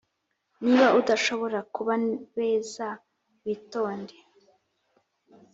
niba udashobora kuba beza, witonde